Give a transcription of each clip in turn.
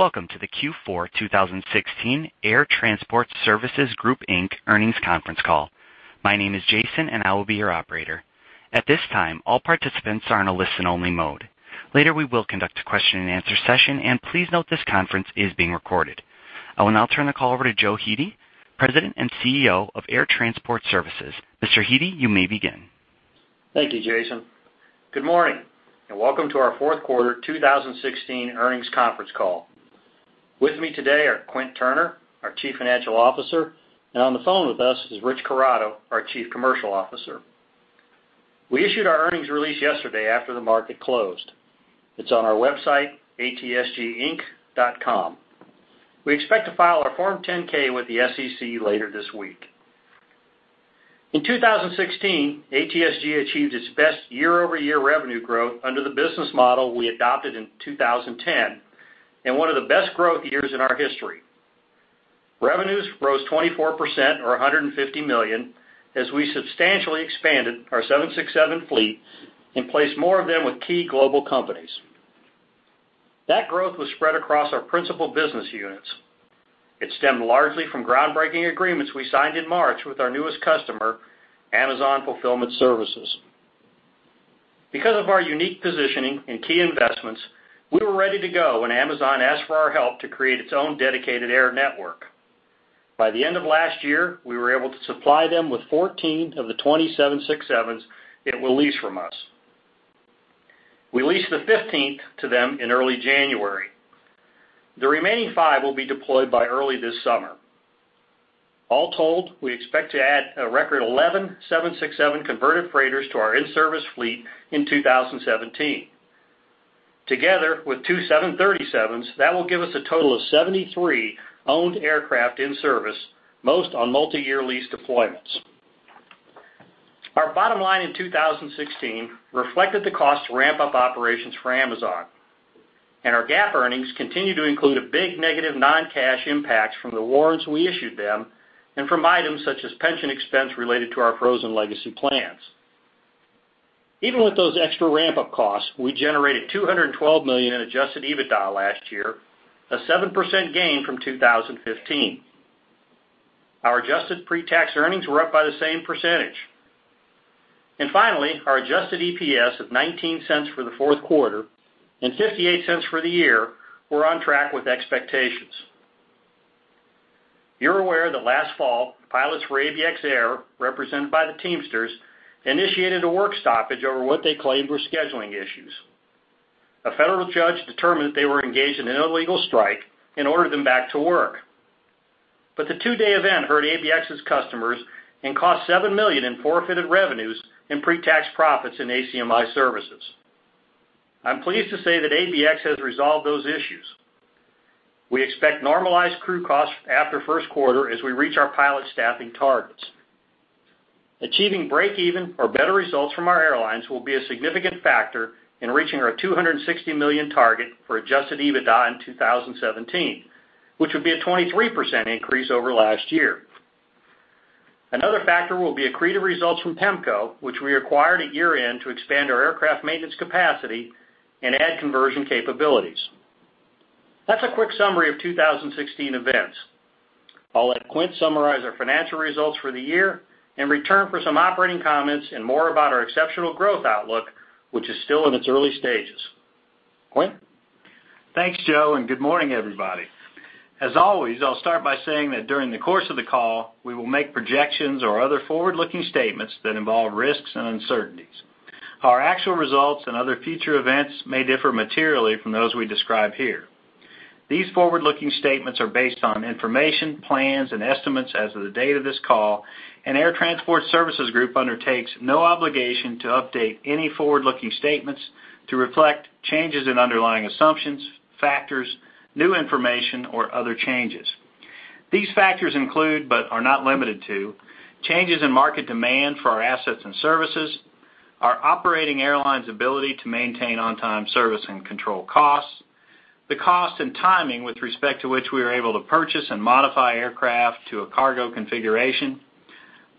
Welcome to the Q4 2016 Air Transport Services Group Inc. earnings conference call. My name is Jason, and I will be your operator. At this time, all participants are in a listen only mode. Later, we will conduct a question and answer session. Please note this conference is being recorded. I will now turn the call over to Joe Hete, President and CEO of Air Transport Services. Mr. Hete, you may begin. Thank you, Jason. Good morning, and welcome to our fourth quarter 2016 earnings conference call. With me today are Quint Turney, our Chief Financial Officer, and on the phone with us is Rich Corrado, our Chief Commercial Officer. We issued our earnings release yesterday after the market closed. It is on our website, atsginc.com. We expect to file our Form 10-K with the SEC later this week. In 2016, ATSG achieved its best year-over-year revenue growth under the business model we adopted in 2010, and one of the best growth years in our history. Revenues rose 24%, or $150 million, as we substantially expanded our 767 fleet and placed more of them with key global companies. That growth was spread across our principal business units. It stemmed largely from groundbreaking agreements we signed in March with our newest customer, Amazon Fulfillment Services. Because of our unique positioning and key investments, we were ready to go when Amazon asked for our help to create its own dedicated air network. By the end of last year, we were able to supply them with 14 of the 20 767s it will lease from us. We leased the 15th to them in early January. The remaining five will be deployed by early this summer. All told, we expect to add a record 11 767 converted freighters to our in-service fleet in 2017. Together with two 737s, that will give us a total of 73 owned aircraft in service, most on multi-year lease deployments. Our bottom line in 2016 reflected the cost to ramp up operations for Amazon, and our GAAP earnings continue to include a big negative non-cash impact from the warrants we issued them and from items such as pension expense related to our frozen legacy plans. Even with those extra ramp-up costs, we generated $212 million in adjusted EBITDA last year, a 7% gain from 2015. Our adjusted pre-tax earnings were up by the same percentage. Finally, our adjusted EPS of $0.19 for the fourth quarter and $0.58 for the year were on track with expectations. You are aware that last fall, pilots for ABX Air, represented by the Teamsters, initiated a work stoppage over what they claimed were scheduling issues. A federal judge determined they were engaged in an illegal strike and ordered them back to work. The two-day event hurt ABX Air's customers and cost $7 million in forfeited revenues and pre-tax profits in ACMI services. I am pleased to say that ABX Air has resolved those issues. We expect normalized crew costs after first quarter as we reach our pilot staffing targets. Achieving break even or better results from our airlines will be a significant factor in reaching our $260 million target for adjusted EBITDA in 2017, which would be a 23% increase over last year. Another factor will be accreted results from PEMCO, which we acquired at year-end to expand our aircraft maintenance capacity and add conversion capabilities. That is a quick summary of 2016 events. I will let Quint summarize our financial results for the year and return for some operating comments and more about our exceptional growth outlook, which is still in its early stages. Quint? Thanks, Joe. Good morning, everybody. As always, I will start by saying that during the course of the call, we will make projections or other forward-looking statements that involve risks and uncertainties. Our actual results and other future events may differ materially from those we describe here. These forward-looking statements are based on information, plans, and estimates as of the date of this call, and Air Transport Services Group undertakes no obligation to update any forward-looking statements to reflect changes in underlying assumptions, factors, new information, or other changes. These factors include, but are not limited to, changes in market demand for our assets and services, our operating airlines' ability to maintain on-time service and control costs, the cost and timing with respect to which we are able to purchase and modify aircraft to a cargo configuration,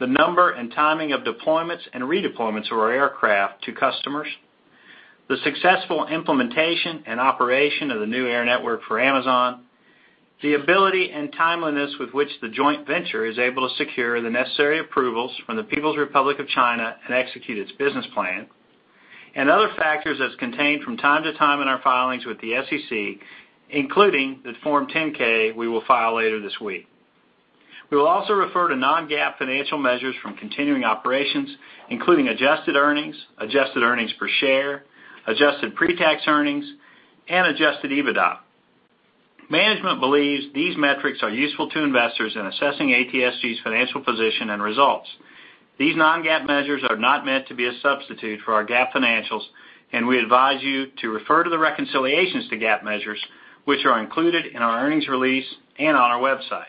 the number and timing of deployments and redeployments of our aircraft to customers, the successful implementation and operation of the new air network for Amazon, the ability and timeliness with which the joint venture is able to secure the necessary approvals from the People's Republic of China and execute its business plan, and other factors as contained from time to time in our filings with the SEC, including the Form 10-K we will file later this week. We will also refer to non-GAAP financial measures from continuing operations, including adjusted earnings, adjusted earnings per share, adjusted pre-tax earnings, and adjusted EBITDA. Management believes these metrics are useful to investors in assessing ATSG's financial position and results. These non-GAAP measures are not meant to be a substitute for our GAAP financials, and we advise you to refer to the reconciliations to GAAP measures, which are included in our earnings release and on our website.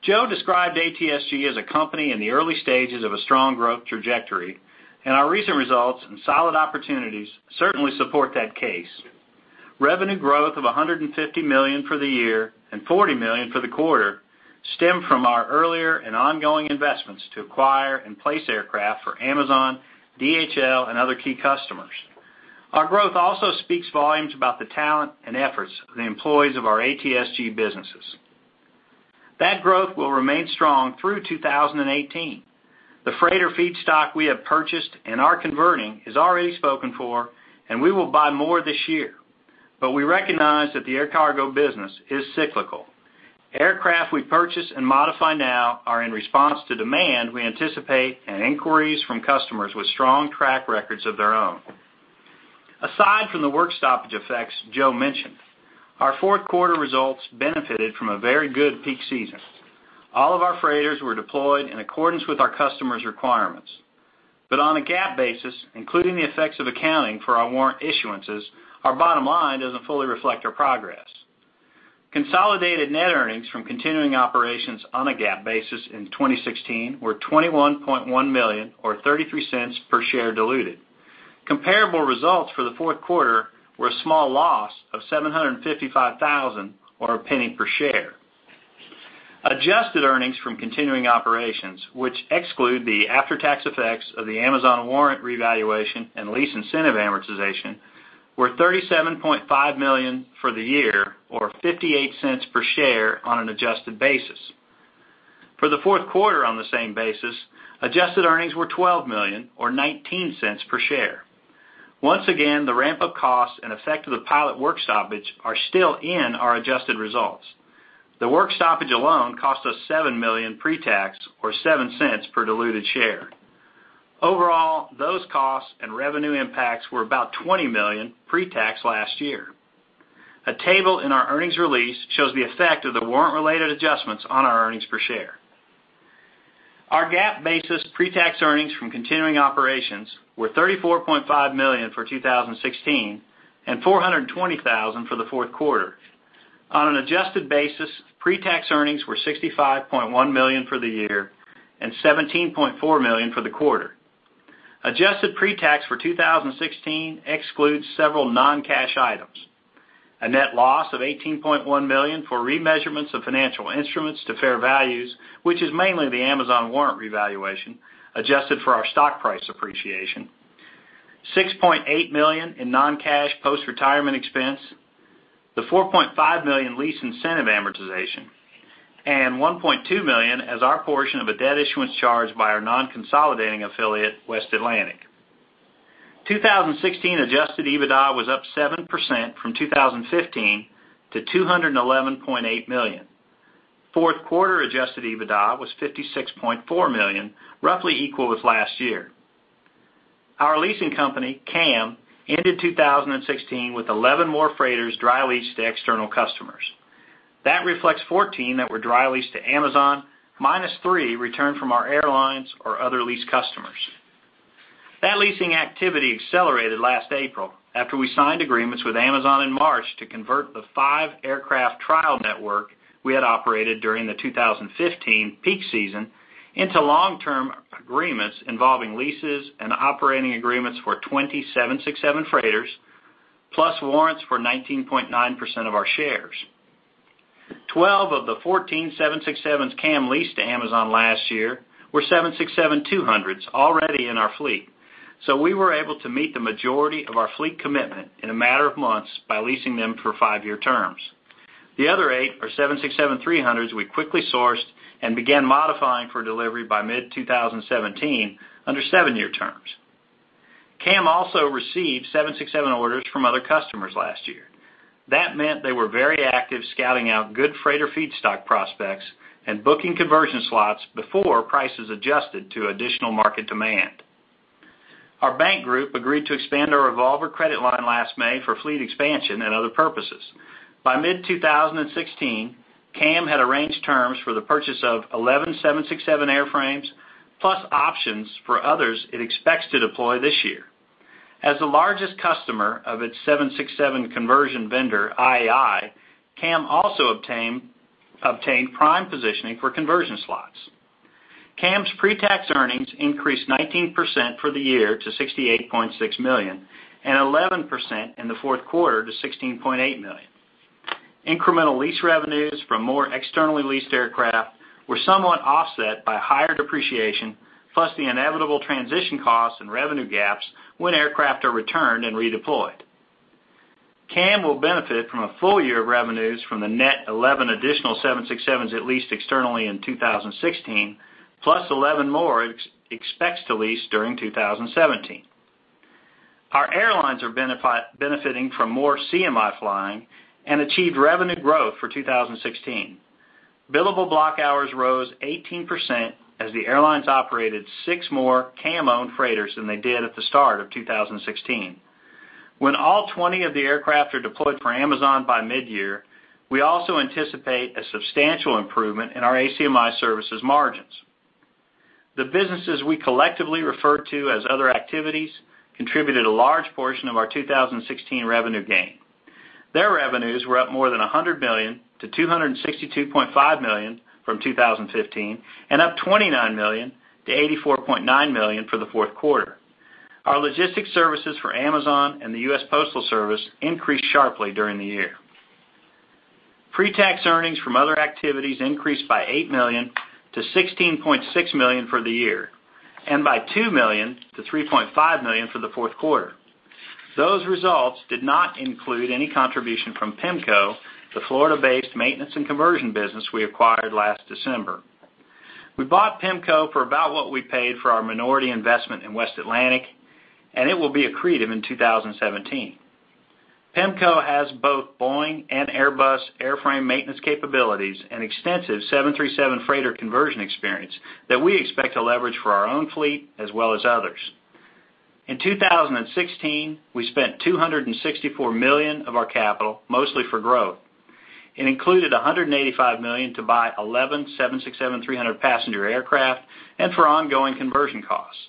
Joe described ATSG as a company in the early stages of a strong growth trajectory. Our recent results and solid opportunities certainly support that case. Revenue growth of $150 million for the year and $40 million for the quarter stem from our earlier and ongoing investments to acquire and place aircraft for Amazon, DHL, and other key customers. Our growth also speaks volumes about the talent and efforts of the employees of our ATSG businesses. That growth will remain strong through 2018. The freighter feedstock we have purchased and are converting is already spoken for, and we will buy more this year. We recognize that the air cargo business is cyclical. Aircraft we purchase and modify now are in response to demand we anticipate and inquiries from customers with strong track records of their own. Aside from the work stoppage effects Joe mentioned, our fourth quarter results benefited from a very good peak season. All of our freighters were deployed in accordance with our customers' requirements. On a GAAP basis, including the effects of accounting for our warrant issuances, our bottom line doesn't fully reflect our progress. Consolidated net earnings from continuing operations on a GAAP basis in 2016 were $21.1 million, or $0.33 per share diluted. Comparable results for the fourth quarter were a small loss of $755,000, or $0.01 per share. Adjusted earnings from continuing operations, which exclude the after-tax effects of the Amazon warrant revaluation and lease incentive amortization, were $37.5 million for the year, or $0.58 per share on an adjusted basis. For the fourth quarter on the same basis, adjusted earnings were $12 million, or $0.19 per share. Once again, the ramp-up costs and effect of the pilot work stoppage are still in our adjusted results. The work stoppage alone cost us $7 million pre-tax, or $0.07 per diluted share. Overall, those costs and revenue impacts were about $20 million pre-tax last year. A table in our earnings release shows the effect of the warrant-related adjustments on our earnings per share. Our GAAP-basis pre-tax earnings from continuing operations were $34.5 million for 2016 and $420,000 for the fourth quarter. On an adjusted basis, pre-tax earnings were $65.1 million for the year and $17.4 million for the quarter. Adjusted pre-tax for 2016 excludes several non-cash items. A net loss of $18.1 million for remeasurements of financial instruments to fair values, which is mainly the Amazon warrant revaluation, adjusted for our stock price appreciation. $6.8 million in non-cash post-retirement expense. The $4.5 million lease incentive amortization, and $1.2 million as our portion of a debt issuance charge by our non-consolidating affiliate, West Atlantic AB. 2016 adjusted EBITDA was up 7% from 2015 to $211.8 million. Fourth quarter adjusted EBITDA was $56.4 million, roughly equal with last year. Our leasing company, CAM, ended 2016 with 11 more freighters dry leased to external customers. That reflects 14 that were dry leased to Amazon, minus three returned from our airlines or other lease customers. That leasing activity accelerated last April, after we signed agreements with Amazon in March to convert the five aircraft trial network we had operated during the 2015 peak season into long-term agreements involving leases and operating agreements for 20 767 freighters, plus warrants for 19.9% of our shares. 12 of the 14 767s CAM leased to Amazon last year were 767-200s already in our fleet. We were able to meet the majority of our fleet commitment in a matter of months by leasing them for five-year terms. The other eight are 767-300s we quickly sourced and began modifying for delivery by mid-2017 under seven-year terms. CAM also received 767 orders from other customers last year. That meant they were very active scouting out good freighter feedstock prospects and booking conversion slots before prices adjusted to additional market demand. Our bank group agreed to expand our revolver credit line last May for fleet expansion and other purposes. By mid-2016, CAM had arranged terms for the purchase of 11 767 airframes, plus options for others it expects to deploy this year. As the largest customer of its 767 conversion vendor, IAI, CAM also obtained prime positioning for conversion slots. CAM's pre-tax earnings increased 19% for the year to $68.6 million, and 11% in the fourth quarter to $16.8 million. Incremental lease revenues from more externally leased aircraft were somewhat offset by higher depreciation, plus the inevitable transition costs and revenue gaps when aircraft are returned and redeployed. CAM will benefit from a full year of revenues from the net 11 additional 767s it leased externally in 2016, plus 11 more it expects to lease during 2017. Our airlines are benefiting from more CMI flying and achieved revenue growth for 2016. Billable block hours rose 18% as the airlines operated six more CAM-owned freighters than they did at the start of 2016. When all 20 of the aircraft are deployed for Amazon by mid-year, we also anticipate a substantial improvement in our ACMI services margins. The businesses we collectively refer to as other activities contributed a large portion of our 2016 revenue gain. Their revenues were up more than $100 million to $262.5 million from 2015, and up $29 million to $84.9 million for the fourth quarter. Our logistics services for Amazon and the U.S. Postal Service increased sharply during the year. Pre-tax earnings from other activities increased by $8 million to $16.6 million for the year, and by $2 million to $3.5 million for the fourth quarter. Those results did not include any contribution from PEMCO, the Florida-based maintenance and conversion business we acquired last December. We bought PEMCO for about what we paid for our minority investment in West Atlantic, and it will be accretive in 2017. PEMCO has both Boeing and Airbus airframe maintenance capabilities and extensive 737 freighter conversion experience that we expect to leverage for our own fleet as well as others. In 2016, we spent $264 million of our capital, mostly for growth. It included $185 million to buy 11 767-300 passenger aircraft and for ongoing conversion costs.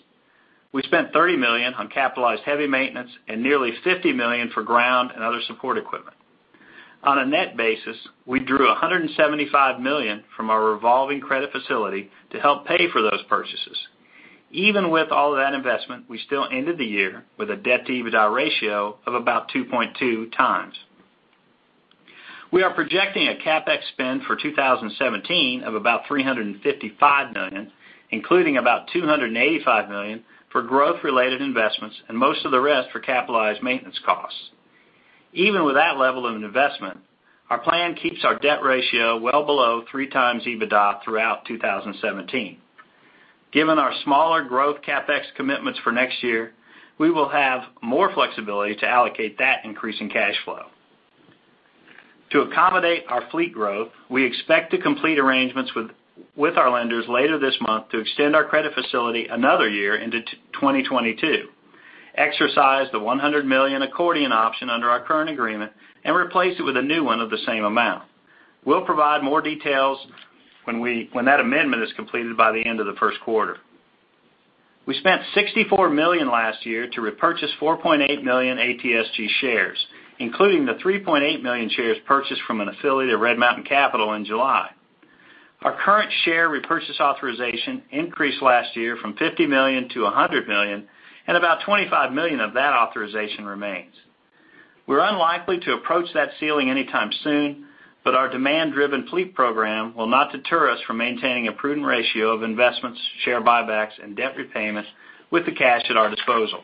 We spent $30 million on capitalized heavy maintenance and nearly $50 million for ground and other support equipment. On a net basis, we drew $175 million from our revolving credit facility to help pay for those purchases. Even with all of that investment, we still ended the year with a debt-to-EBITDA ratio of about 2.2 times. We are projecting a CapEx spend for 2017 of about $355 million, including about $285 million for growth-related investments and most of the rest for capitalized maintenance costs. Even with that level of investment, our plan keeps our debt ratio well below three times EBITDA throughout 2017. Given our smaller growth CapEx commitments for next year, we will have more flexibility to allocate that increase in cash flow. To accommodate our fleet growth, we expect to complete arrangements with our lenders later this month to extend our credit facility another year into 2022, exercise the $100 million accordion option under our current agreement, and replace it with a new one of the same amount. We'll provide more details when that amendment is completed by the end of the first quarter. We spent $64 million last year to repurchase 4.8 million ATSG shares, including the 3.8 million shares purchased from an affiliate of Red Mountain Capital in July. Our current share repurchase authorization increased last year from $50 million to $100 million, and about $25 million of that authorization remains. We're unlikely to approach that ceiling anytime soon, but our demand-driven fleet program will not deter us from maintaining a prudent ratio of investments, share buybacks, and debt repayments with the cash at our disposal.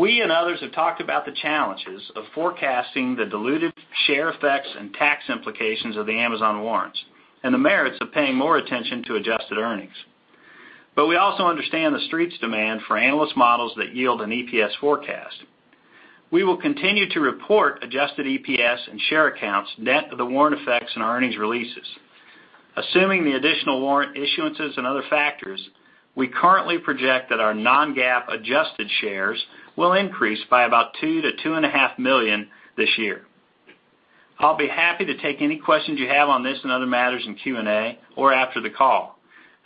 We and others have talked about the challenges of forecasting the diluted share effects and tax implications of the Amazon warrants and the merits of paying more attention to adjusted earnings. We also understand the Street's demand for analyst models that yield an EPS forecast. We will continue to report adjusted EPS and share accounts net of the warrant effects in our earnings releases. Assuming the additional warrant issuances and other factors, we currently project that our non-GAAP adjusted shares will increase by about two to 2.5 million this year. I'll be happy to take any questions you have on this and other matters in Q&A or after the call.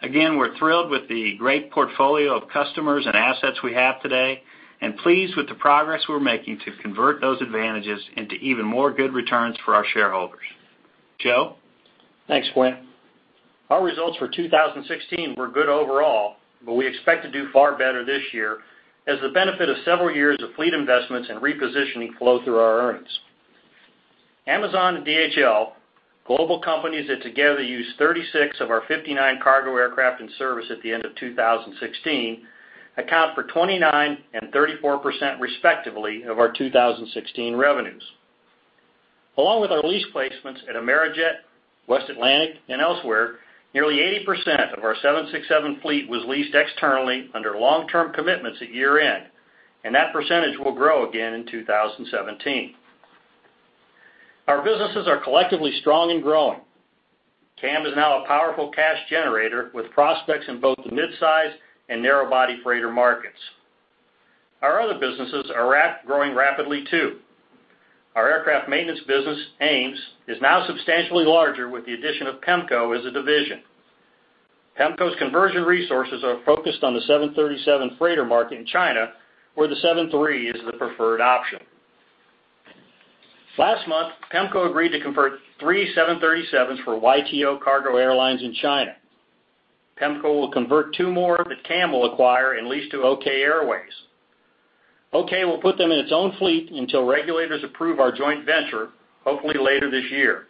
Again, we're thrilled with the great portfolio of customers and assets we have today and pleased with the progress we're making to convert those advantages into even more good returns for our shareholders. Joe? Thanks, Quint. Our results for 2016 were good overall, but we expect to do far better this year as the benefit of several years of fleet investments and repositioning flow through our earnings. Amazon and DHL, global companies that together use 36 of our 59 cargo aircraft in service at the end of 2016, account for 29% and 34%, respectively, of our 2016 revenues. Along with our lease placements at Amerijet, West Atlantic, and elsewhere, nearly 80% of our 767 fleet was leased externally under long-term commitments at year-end, and that percentage will grow again in 2017. Our businesses are collectively strong and growing. CAM is now a powerful cash generator with prospects in both the midsize and narrow-body freighter markets. Our other businesses are growing rapidly, too. Our aircraft maintenance business, AMES, is now substantially larger with the addition of PEMCO as a division. PEMCO's conversion resources are focused on the 737 freighter market in China, where the 737 is the preferred option. Last month, PEMCO agreed to convert three 737s for YTO Cargo Airlines in China. PEMCO will convert two more that CAM will acquire and lease to Okay Airways. Okay will put them in its own fleet until regulators approve our joint venture, hopefully later this year.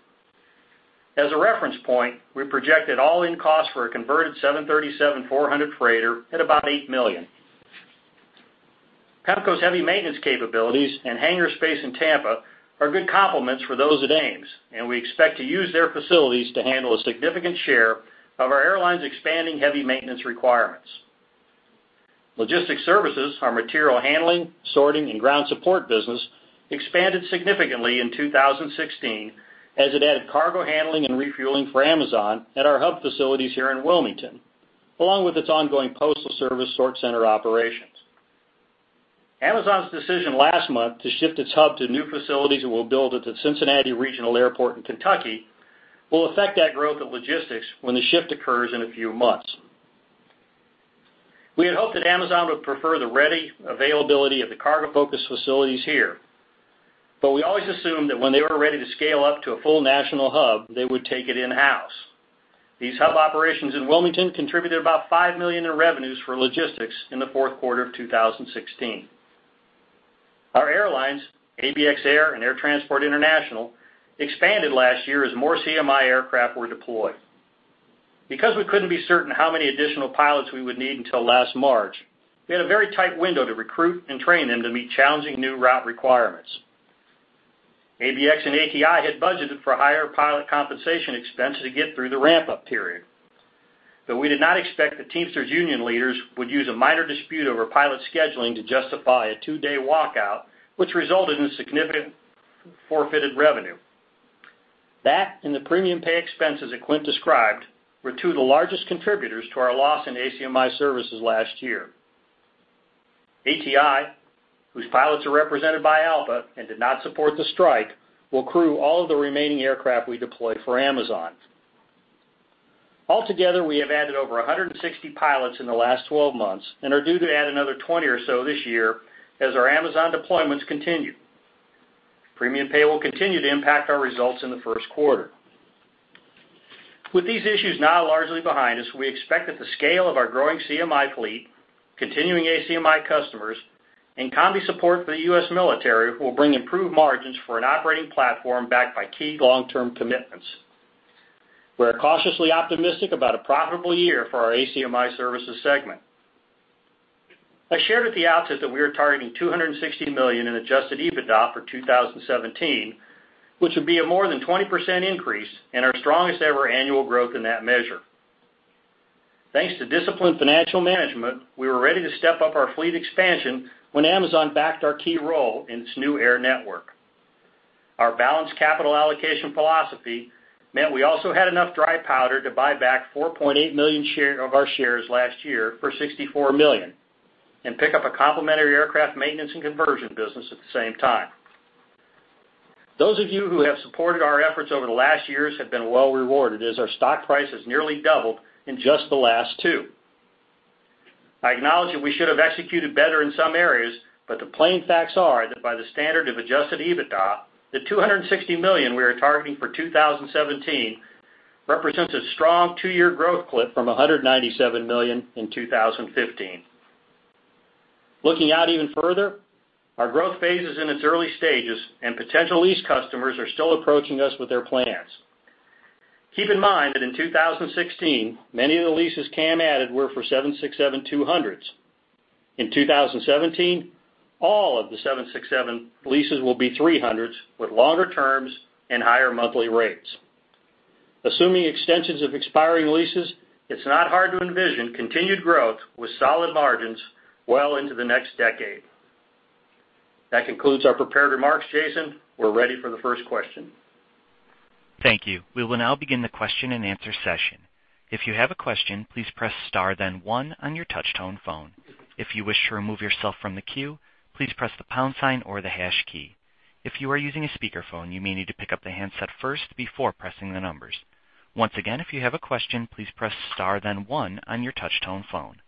As a reference point, we project that all-in cost for a converted 737-400 freighter at about $8 million. PEMCO's heavy maintenance capabilities and hangar space in Tampa are good complements for those at AMES, and we expect to use their facilities to handle a significant share of our airline's expanding heavy maintenance requirements. LGSTX Services, our material handling, sorting, and ground support business, expanded significantly in 2016 as it added cargo handling and refueling for Amazon at our hub facilities here in Wilmington, along with its ongoing postal service sort center operations. Amazon's decision last month to shift its hub to new facilities it will build at the Cincinnati/Northern Kentucky International Airport in Kentucky will affect that growth of logistics when the shift occurs in a few months. We always assumed that when they were ready to scale up to a full national hub, they would take it in-house. These hub operations in Wilmington contributed about $5 million in revenues for logistics in the fourth quarter of 2016. Our airlines, ABX Air and Air Transport International, expanded last year as more CMI aircraft were deployed. Because we couldn't be certain how many additional pilots we would need until last March, we had a very tight window to recruit and train them to meet challenging new route requirements. ABX and ATI had budgeted for higher pilot compensation expenses to get through the ramp-up period. We did not expect the Teamsters union leaders would use a minor dispute over pilot scheduling to justify a two-day walkout, which resulted in significant forfeited revenue. That, and the premium pay expenses that Quint described, were two of the largest contributors to our loss in ACMI services last year. ATI, whose pilots are represented by ALPA and did not support the strike, will crew all of the remaining aircraft we deploy for Amazon. Altogether, we have added over 160 pilots in the last 12 months and are due to add another 20 or so this year as our Amazon deployments continue. Premium pay will continue to impact our results in the first quarter. With these issues now largely behind us, we expect that the scale of our growing CMI fleet, continuing ACMI customers, and combi support for the U.S. Military will bring improved margins for an operating platform backed by key long-term commitments. We're cautiously optimistic about a profitable year for our ACMI services segment. I shared at the outset that we are targeting $260 million in adjusted EBITDA for 2017, which would be a more than 20% increase and our strongest-ever annual growth in that measure. Thanks to disciplined financial management, we were ready to step up our fleet expansion when Amazon backed our key role in its new air network. Our balanced capital allocation philosophy meant we also had enough dry powder to buy back 4.8 million of our shares last year for $64 million and pick up a complementary aircraft maintenance and conversion business at the same time. Those of you who have supported our efforts over the last years have been well rewarded, as our stock price has nearly doubled in just the last two. I acknowledge that we should have executed better in some areas, but the plain facts are that by the standard of adjusted EBITDA, the $260 million we are targeting for 2017 represents a strong two-year growth clip from $197 million in 2015. Looking out even further, our growth phase is in its early stages, and potential lease customers are still approaching us with their plans. Keep in mind that in 2016, many of the leases CAM added were for 767-200s. In 2017, all of the 767 leases will be 300s with longer terms and higher monthly rates. Assuming extensions of expiring leases, it is not hard to envision continued growth with solid margins well into the next decade. That concludes our prepared remarks. Jason, we are ready for the first question. Thank you. We will now begin the question and answer session. If you have a question, please press star then one on your touch-tone phone. If you wish to remove yourself from the queue, please press the pound sign or the hash key. If you are using a speakerphone, you may need to pick up the handset first before pressing the numbers. Once again, if you have a question, please press star then one on your touch-tone phone.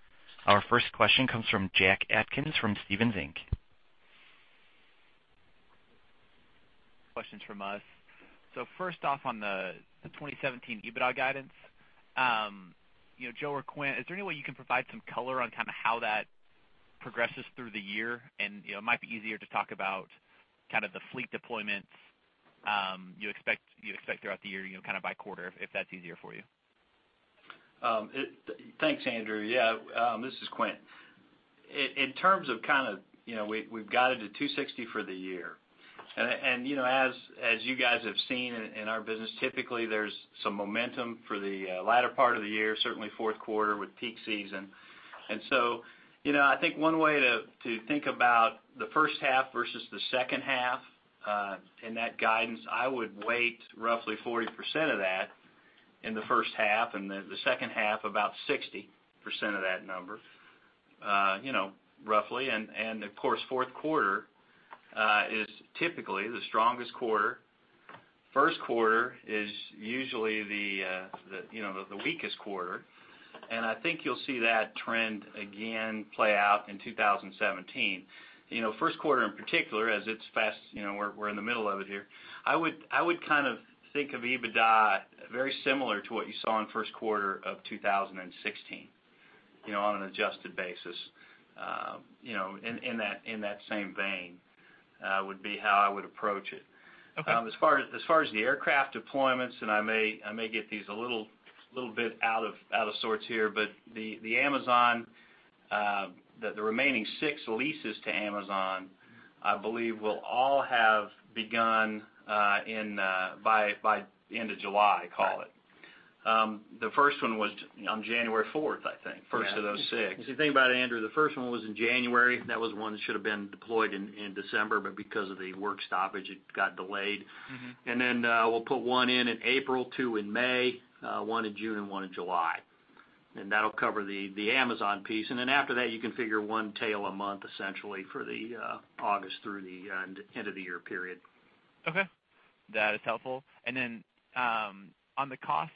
Our first question comes from Jack Atkins from Stephens Inc. Questions from us. First off, on the 2017 EBITDA guidance, Joe or Quint, is there any way you can provide some color on how that progresses through the year? It might be easier to talk about the fleet deployments you expect throughout the year, by quarter, if that is easier for you. Thanks, Andrew. Yeah, this is Quint. In terms of, we have guided to $260 for the year. As you guys have seen in our business, typically, there is some momentum for the latter part of the year, certainly fourth quarter with peak season. I think one way to think about the first half versus the second half in that guidance, I would weight roughly 40% of that in the first half, and the second half, about 60% of that number, roughly. Of course, fourth quarter is typically the strongest quarter. First quarter is usually the weakest quarter. I think you will see that trend again play out in 2017. First quarter in particular, as we are in the middle of it here, I would think of EBITDA very similar to what you saw in first quarter of 2016, on an adjusted basis. In that same vein would be how I would approach it. Okay. As far as the aircraft deployments, and I may get these a little bit out of sorts here, but the remaining six leases to Amazon, I believe, will all have begun by the end of July, call it. Right. The first one was on January 4th, I think, first of those six. Yeah. If you think about it, Andrew, the first one was in January. That was one that should've been deployed in December, but because of the work stoppage, it got delayed. We'll put one in in April, two in May, one in June, and one in July. That'll cover the Amazon piece. After that, you can figure one tail a month, essentially, for the August through the end of the year period. Okay. That is helpful. On the costs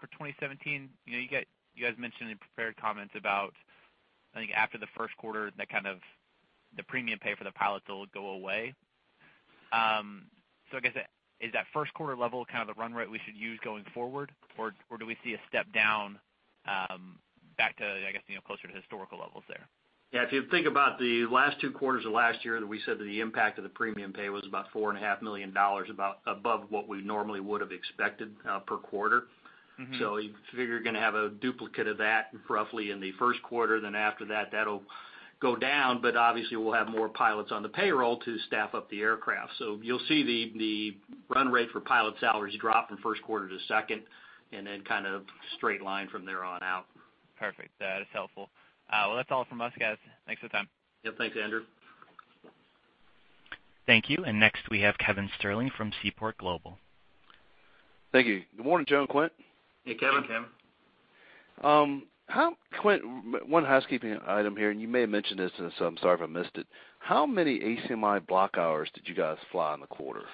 for 2017, you guys mentioned in prepared comments about, I think, after the first quarter, the premium pay for the pilots will go away. I guess, is that first quarter level kind of the run rate we should use going forward? Or do we see a step down back to, I guess, closer to historical levels there? Yeah. If you think about the last two quarters of last year that we said that the impact of the premium pay was about $4.5 million above what we normally would have expected per quarter. You figure you're going to have a duplicate of that roughly in the first quarter. After that'll go down. Obviously, we'll have more pilots on the payroll to staff up the aircraft. You'll see the run rate for pilot salaries drop from first quarter to second, and then kind of straight line from there on out. Perfect. That is helpful. Well, that's all from us, guys. Thanks for the time. Yeah. Thanks, Andrew. Thank you. Next we have Kevin Sterling from Seaport Global. Thank you. Good morning, Joe and Quint. Hey, Kevin. Hey, Kevin. Quint, one housekeeping item here. You may have mentioned this, so I'm sorry if I missed it. How many ACMI block hours did you guys fly in the quarter?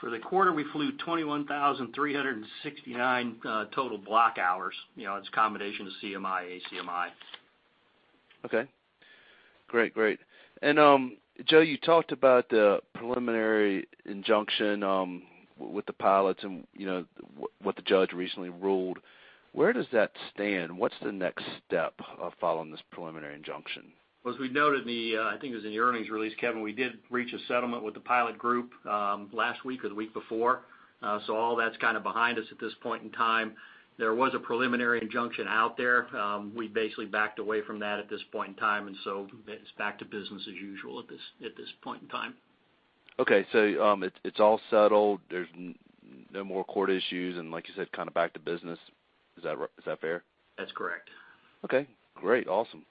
For the quarter, we flew 21,369 total block hours. It's a combination of CMI, ACMI. Okay, great. Joe, you talked about the preliminary injunction with the pilots and what the judge recently ruled. Where does that stand? What's the next step following this preliminary injunction? Well, as we noted, I think it was in the earnings release, Kevin, we did reach a settlement with the pilot group last week or the week before. All that's kind of behind us at this point in time. There was a preliminary injunction out there. We basically backed away from that at this point in time, it's back to business as usual at this point in time. Okay. It's all settled, there's no more court issues, like you said, kind of back to business. Is that fair? That's correct. Okay, great. Awesome.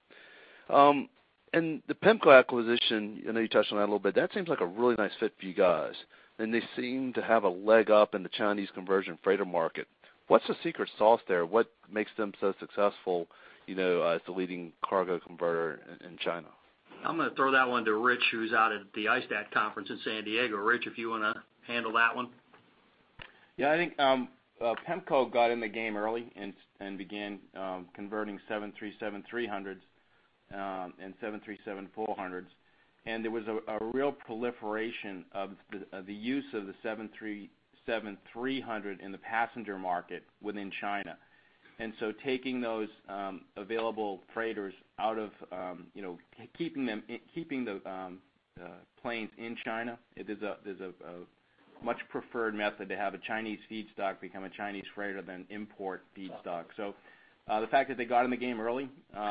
The PEMCO acquisition, I know you touched on that a little bit. That seems like a really nice fit for you guys, and they seem to have a leg up in the Chinese conversion freighter market. What's the secret sauce there? What makes them so successful as the leading cargo converter in China? I'm going to throw that one to Rich, who's out at the ISTAT conference in San Diego. Rich, if you want to handle that one? Yeah, I think PEMCO got in the game early and began converting 737-300s and 737-400s, and there was a real proliferation of the use of the 737-300 in the passenger market within China. Taking those available freighters keeping the planes in China, there's a much preferred method to have a Chinese feedstock become a Chinese freighter than import feedstock. The fact that they got in the game early,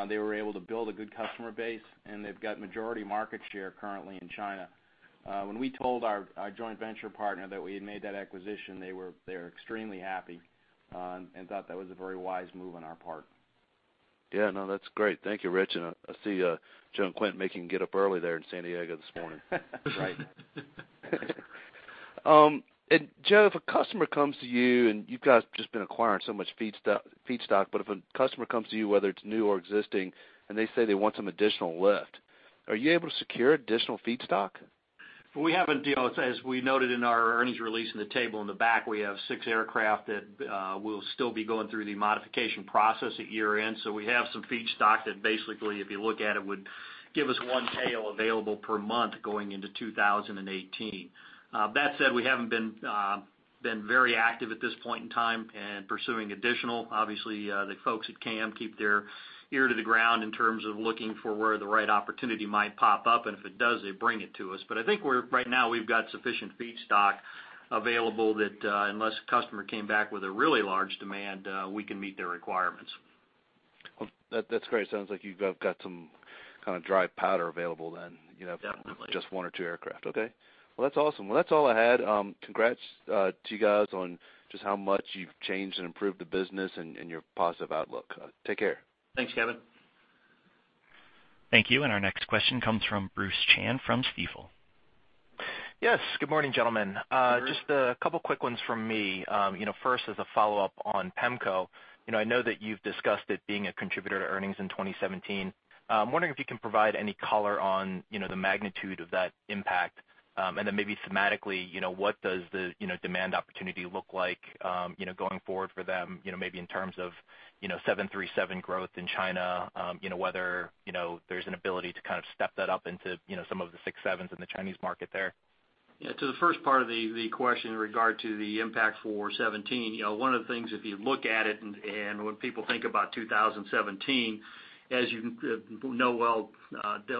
they were able to build a good customer base, and they've got majority market share currently in China. When we told our joint venture partner that we had made that acquisition, they were extremely happy and thought that was a very wise move on our part. Yeah. No, that's great. Thank you, Rich. I see Joe and Quint making you get up early there in San Diego this morning. Right. Joe, if a customer comes to you, and you guys have just been acquiring so much feedstock, but if a customer comes to you, whether it's new or existing, and they say they want some additional lift, are you able to secure additional feedstock? We haven't. As we noted in our earnings release in the table in the back, we have six aircraft that will still be going through the modification process at year-end. We have some feedstock that basically, if you look at it, would give us one tail available per month going into 2018. That said, we haven't been very active at this point in time in pursuing additional. Obviously, the folks at CAM keep their ear to the ground in terms of looking for where the right opportunity might pop up, and if it does, they bring it to us. I think right now we've got sufficient feedstock available that unless a customer came back with a really large demand, we can meet their requirements. That's great. Sounds like you've got some kind of dry powder available then. Definitely. Just one or two aircraft. Okay. That's awesome. That's all I had. Congrats to you guys on just how much you've changed and improved the business and your positive outlook. Take care. Thanks, Kevin. Thank you. Our next question comes from Bruce Chan from Stifel. Yes. Good morning, gentlemen. Bruce. Just a couple quick ones from me. First, as a follow-up on PEMCO, I know that you've discussed it being a contributor to earnings in 2017. I'm wondering if you can provide any color on the magnitude of that impact, then maybe thematically, what does the demand opportunity look like going forward for them maybe in terms of 737 growth in China, whether there's an ability to kind of step that up into some of the 767s in the Chinese market there? Yeah. To the first part of the question in regard to the impact for 2017, one of the things, if you look at it, when people think about 2017, as you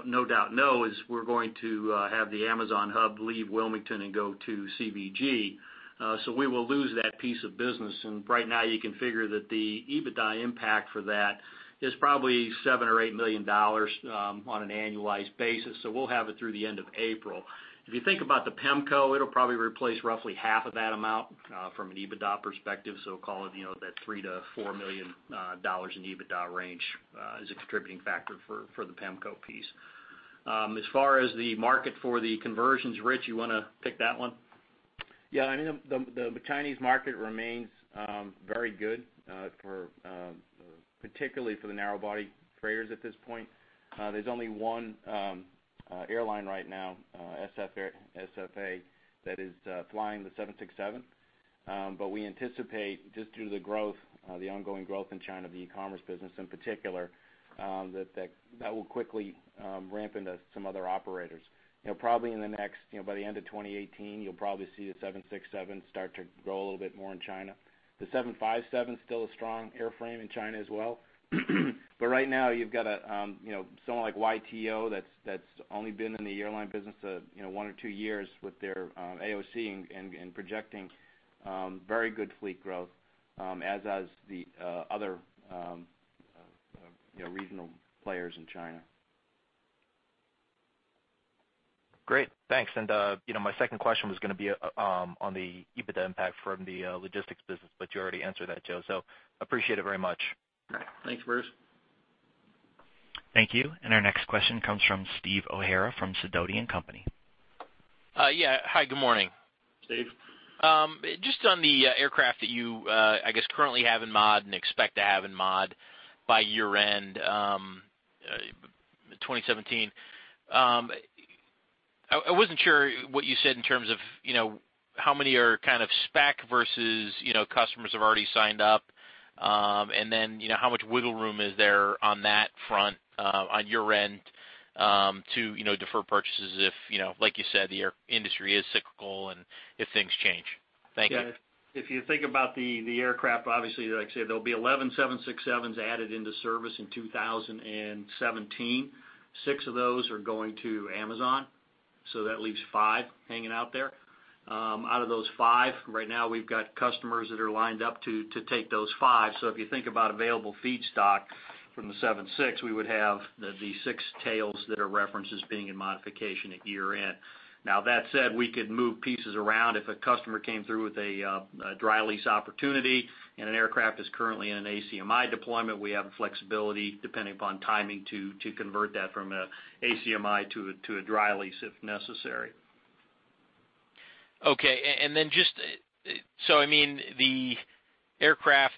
no doubt know, is we're going to have the Amazon hub leave Wilmington and go to CVG. We will lose that piece of business, and right now you can figure that the EBITDA impact for that is probably $7 million or $8 million on an annualized basis, so we'll have it through the end of April. If you think about the PEMCO, it'll probably replace roughly half of that amount from an EBITDA perspective. Call it that $3 million to $4 million in EBITDA range as a contributing factor for the PEMCO piece. As far as the market for the conversions, Rich, you want to pick that one? Yeah. The Chinese market remains very good for particularly for the narrow-body freighters at this point. There's only one airline right now, SF Airlines, that is flying the 767. We anticipate just through the growth, the ongoing growth in China, the e-commerce business in particular, that will quickly ramp into some other operators. Probably by the end of 2018, you'll probably see the 767 start to grow a little bit more in China. The 757 is still a strong airframe in China as well. Right now, you've got someone like YTO that's only been in the airline business one or two years with their AOC and projecting very good fleet growth, as has the other regional players in China. Great. Thanks. My second question was going to be on the EBITDA impact from the logistics business, you already answered that, Joe, appreciate it very much. All right. Thanks, Bruce. Thank you. Our next question comes from Steve O'Hara from Sidoti & Company. Yeah. Hi, good morning. Steve. Just on the aircraft that you, I guess, currently have in mod and expect to have in mod by year-end 2017. I wasn't sure what you said in terms of how many are kind of spec versus customers have already signed up. Then, how much wiggle room is there on that front on your end to defer purchases if, like you said, the industry is cyclical and if things change. Thank you. Yeah. If you think about the aircraft, obviously, like I said, there will be 11 767s added into service in 2017. Six of those are going to Amazon, that leaves five hanging out there. Out of those five, right now we've got customers that are lined up to take those five. If you think about available feedstock from the 76, we would have the six tails that are referenced as being in modification at year-end. Now, that said, we could move pieces around if a customer came through with a dry lease opportunity and an aircraft is currently in an ACMI deployment, we have the flexibility, depending upon timing, to convert that from a ACMI to a dry lease if necessary. Okay. The aircraft,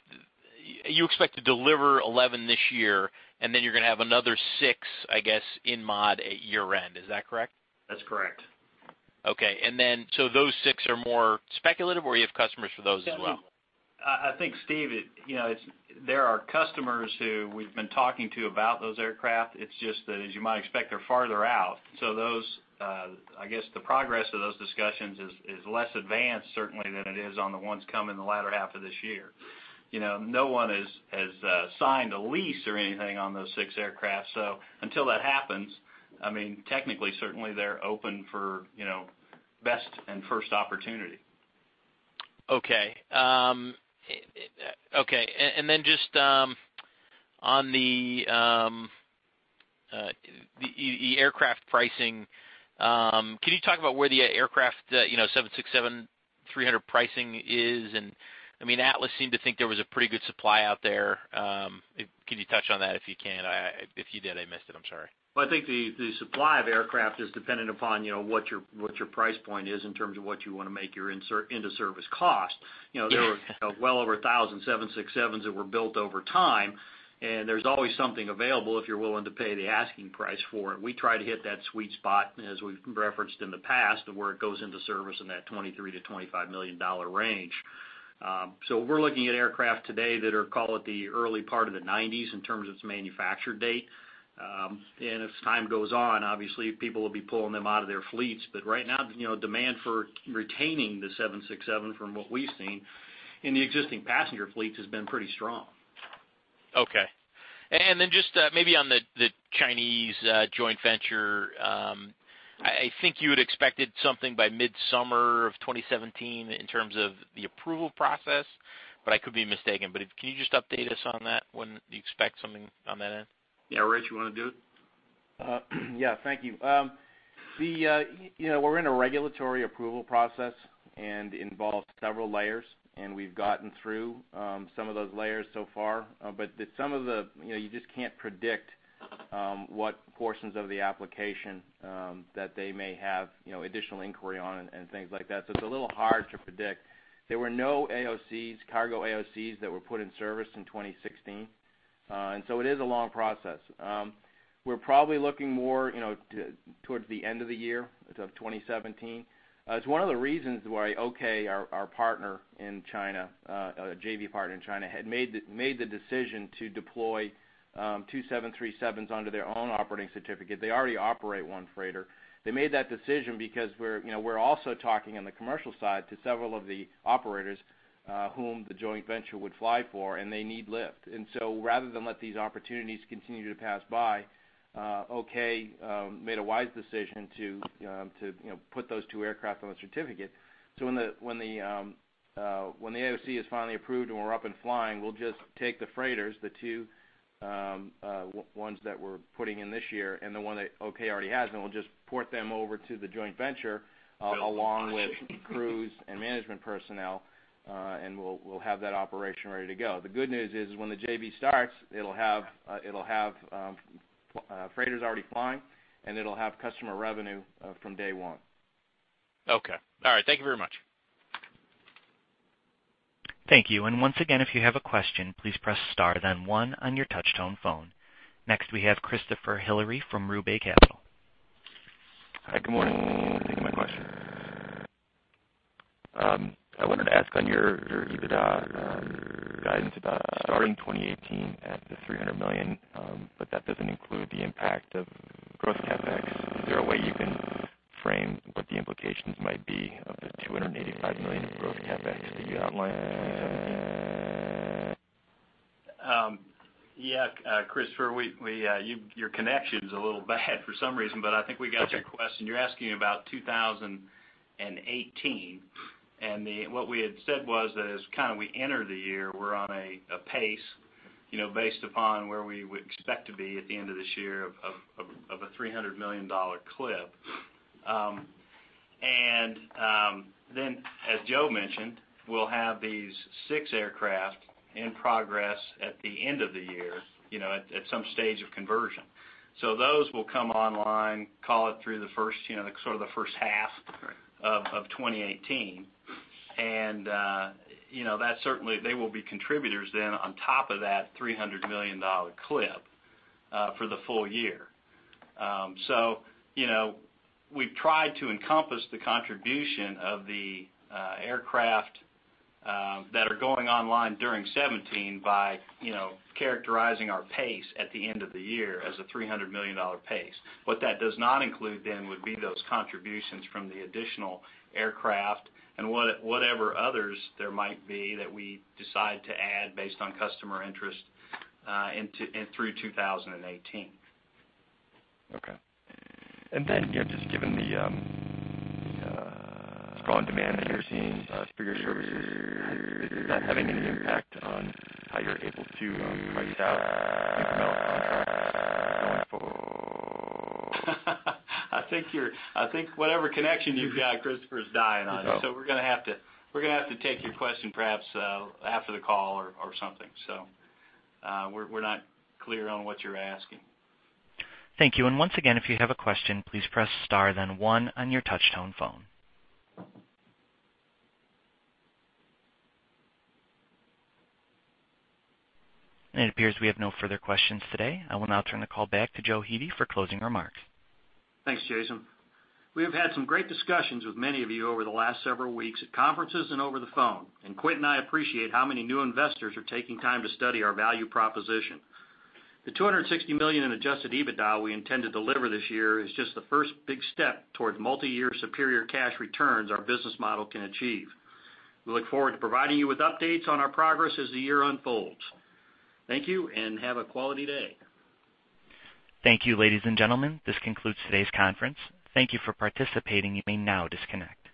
you expect to deliver 11 this year, you're going to have another six, I guess, in mod at year-end. Is that correct? That's correct. Okay. Those six are more speculative, or you have customers for those as well? I think, Steve, there are customers who we've been talking to about those aircraft. It's just that, as you might expect, they're farther out. Those, I guess the progress of those discussions is less advanced certainly than it is on the ones coming in the latter half of this year. No one has signed a lease or anything on those six aircraft, until that happens, technically, certainly they're open for best and first opportunity. Okay. Just on the aircraft pricing, can you talk about where the aircraft 767-300 pricing is? Atlas seemed to think there was a pretty good supply out there. Can you touch on that if you can? If you did, I missed it. I'm sorry. I think the supply of aircraft is dependent upon what your price point is in terms of what you want to make your into-service cost. Yeah. There were well over 1,000 767s that were built over time, and there's always something available if you're willing to pay the asking price for it. We try to hit that sweet spot, as we've referenced in the past, of where it goes into service in that $23 million-$25 million range. We're looking at aircraft today that are, call it, the early part of the '90s in terms of its manufacture date. As time goes on, obviously, people will be pulling them out of their fleets. Right now, demand for retaining the 767 from what we've seen in the existing passenger fleets has been pretty strong. Okay. Just maybe on the Chinese joint venture. I think you had expected something by mid-summer of 2017 in terms of the approval process, but I could be mistaken. Can you just update us on that, when you expect something on that end? Yeah. Rich, you want to do it? Yeah. Thank you. We're in a regulatory approval process, and it involves several layers, and we've gotten through some of those layers so far. You just can't predict what portions of the application that they may have additional inquiry on and things like that. It's a little hard to predict. There were no AOCs, cargo AOCs, that were put in service in 2016. It is a long process. We're probably looking more towards the end of the year of 2017. It's one of the reasons why OK, our partner in China, JV partner in China, had made the decision to deploy two 737s under their own operating certificate. They already operate one freighter. They made that decision because we're also talking on the commercial side to several of the operators whom the joint venture would fly for, and they need lift. Rather than let these opportunities continue to pass by, OK made a wise decision to put those two aircraft on the certificate. When the AOC is finally approved and we're up and flying, we'll just take the freighters, the two ones that we're putting in this year and the one that OK already has, and we'll just port them over to the joint venture along with crews and management personnel, and we'll have that operation ready to go. The good news is, when the JV starts, it'll have freighters already flying, and it'll have customer revenue from day one. Okay. All right. Thank you very much. Thank you. Once again, if you have a question, please press star then one on your touch-tone phone. Next, we have Christopher Hillary from Roubaix Capital. Hi, good morning. Thank you for my question. I wanted to ask on your EBITDA guidance about starting 2018 at the $300 million, but that doesn't include the impact of growth CapEx. Is there a way you can frame what the implications might be of the $285 million of growth CapEx that you outlined in 2017? Yeah, Christopher, your connection's a little bad for some reason, but I think we got your question. You're asking about 2018, what we had said was that as we enter the year, we're on a pace based upon where we would expect to be at the end of this year of a $300 million clip. As Joe mentioned, we'll have these six aircraft in progress at the end of the year, at some stage of conversion. Those will come online, call it through the first half- Right. -of 2018. Certainly, they will be contributors then on top of that $300 million clip for the full year. We've tried to encompass the contribution of the aircraft that are going online during 2017 by characterizing our pace at the end of the year as a $300 million pace. What that does not include then would be those contributions from the additional aircraft and whatever others there might be that we decide to add based on customer interest through 2018. Okay. Then, just given the strong demand that you're seeing for your services, is that having any impact on how you're able to price out I think whatever connection you've got, Christopher, is dying on you. Okay. We're going to have to take your question perhaps after the call or something. We're not clear on what you're asking. Thank you. Once again, if you have a question, please press star then one on your touch-tone phone. It appears we have no further questions today. I will now turn the call back to Joe Hete for closing remarks. Thanks, Jason. We have had some great discussions with many of you over the last several weeks at conferences and over the phone, and Quint and I appreciate how many new investors are taking time to study our value proposition. The $260 million in adjusted EBITDA we intend to deliver this year is just the first big step towards multiyear superior cash returns our business model can achieve. We look forward to providing you with updates on our progress as the year unfolds. Thank you and have a quality day. Thank you, ladies and gentlemen. This concludes today's conference. Thank you for participating. You may now disconnect.